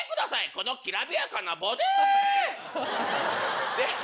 このきらびやかなボディー！です